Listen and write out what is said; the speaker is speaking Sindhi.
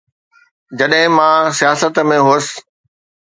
جڏهن مان سياست ۾ هوس.